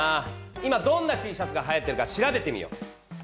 今どんなＴシャツがはやってるか調べてみよう！